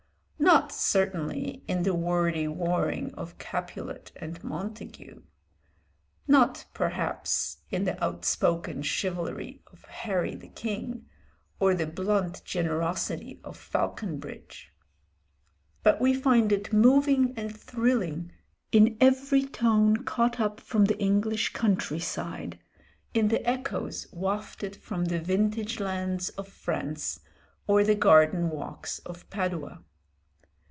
Not, certainly, in the wordy warring of Capulet and Montagu; not, perhaps, in the outspoken chivalry of "Harry the King," or the blunt generosity of Falconbridge. But we find it moving and thrilling in every tone caught up from the English country side, in the echoes wafted from the vintage lands of France, or the garden walks of Padua.